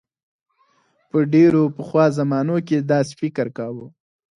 په ډیرو پخوا زمانو کې داسې فکر کاؤ.